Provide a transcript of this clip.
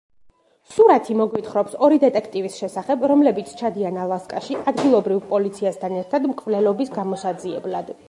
სურათი მოგვითხრობს ორი დეტექტივის შესახებ, რომლებიც ჩადიან ალასკაში ადგილობრივ პოლიციასთან ერთად მკვლელობის გამოსაძიებლად.